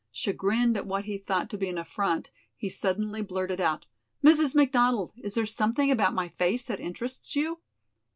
Chagrined at what he thought to be an affront, he suddenly blurted out: "Mrs. McDonald, is there something about my face that interests you?"